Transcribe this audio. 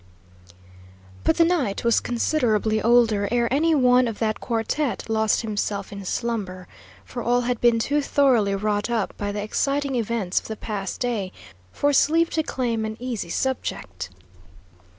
But the night was considerably older ere any one of that quartette lost himself in slumber, for all had been too thoroughly wrought up by the exciting events of the past day for sleep to claim an easy subject.